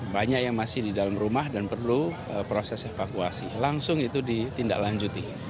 banyak yang masih di dalam rumah dan perlu proses evakuasi langsung itu ditindaklanjuti